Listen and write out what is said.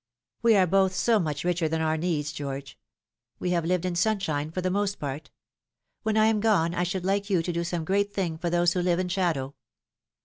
" We are both so much richer than our needs, George. We have lived in sunshine for the most part. When I am gone I should like you to do some great thing for those who live in shadow."